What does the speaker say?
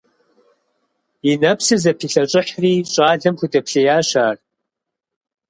И нэпэпсыр зэпилъэщӀыхьри, щӀалэм худэплъеящ ар.